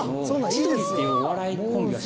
千鳥というお笑いコンビは？